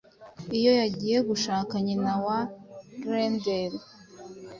iyo yagiye gushaka nyina wa Grendel